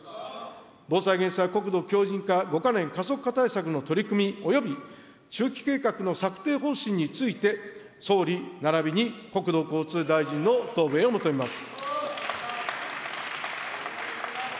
防災・減災、国土強じん化５か年加速化対策の取り組み、および中期計画の策定方針について、総理ならびに国土交通大臣の答弁を求めます。